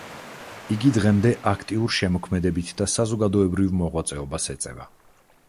იგი დღემდე აქტიურ შემოქმედებით და საზოგადოებრივ მოღვაწეობას ეწევა.